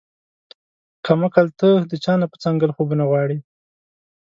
کم عقله تۀ د چا نه پۀ څنګل خوبونه غواړې